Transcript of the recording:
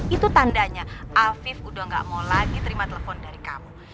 itu tandanya afif udah gak mau lagi terima telepon dari kamu